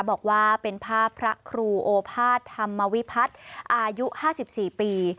บอกว่าเป็นภาพพระครูโอภาษธรรมวิพัฒน์อายุ๕๔ปี